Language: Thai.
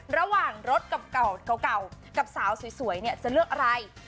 ระหว่างรถกับเก่ากับสาวสวยเนี่ยจะเลือกอะไร